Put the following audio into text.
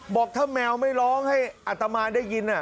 บอกถ้าแมวไม่ร้องให้อัตมาได้ยิน